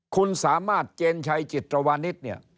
คุณสามารถเจนชัยจิตรวรรณิต